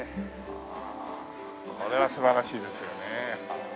ああこれは素晴らしいですよね。